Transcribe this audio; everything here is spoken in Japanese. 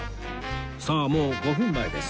さあもう５分前です